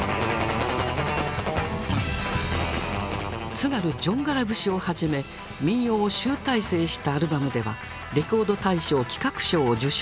「津軽じょんがら節」をはじめ民謡を集大成したアルバムではレコード大賞企画賞を受賞。